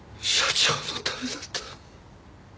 社長のためだったのに。